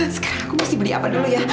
sekarang aku mesti beli apa dulu ya